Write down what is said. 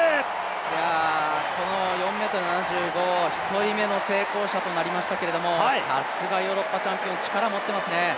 ４ｍ７５一人目の成功者となりましたけどさすがヨーロッパチャンピオン、力持ってますね。